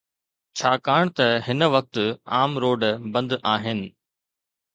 ڇاڪاڻ ته هن وقت عام روڊ بند آهن.